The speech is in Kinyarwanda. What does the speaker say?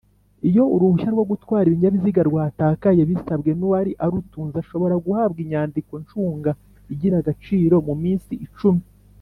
iyo Uruhushya rwo gutwara Ibinyabiziga rwatakaye?bisabwe n’uwari arutunze ashobora guhabwa inyandiko ncunga igira agaciro mu minsi icumi